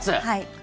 はい。